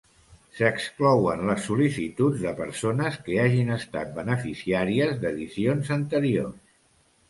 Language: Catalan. S'exclouen les sol·licituds de persones que hagin estat beneficiàries d'edicions anteriors.